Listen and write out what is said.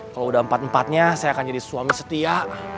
kalau udah empat empatnya saya akan jadi suami setia